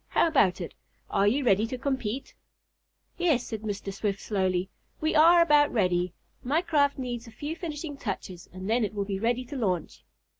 How about it? Are you ready to compete?" "Yes," said Mr. Swift slowly. "We are about ready. My craft needs a few finishing touches, and then it will be ready to launch."